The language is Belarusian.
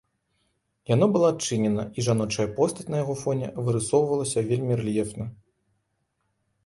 Яно было адчынена, і жаночая постаць на яго фоне вырысоўвалася вельмі рэльефна.